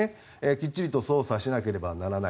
きっちりと捜査しなければならない。